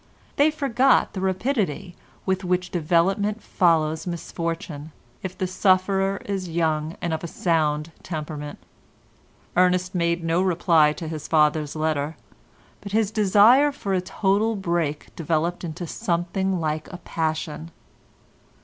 They forgot the rapidity with which development follows misfortune, if the sufferer is young and of a sound temperament. Ernest made no reply to his father's letter, but his desire for a total break developed into something like a passion.